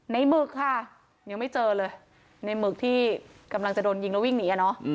หมึกค่ะยังไม่เจอเลยในหมึกที่กำลังจะโดนยิงแล้ววิ่งหนี